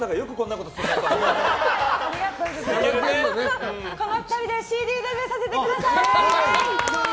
この２人でＣＤデビューさせてください！